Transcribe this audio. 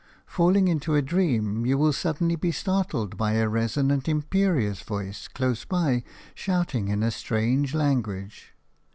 Falling into a dream you will suddenly be startled by a resonant, imperious voice close by, shouting in a strange language.